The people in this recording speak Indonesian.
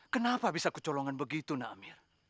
kenapa bisa kecolongan begitu nakmir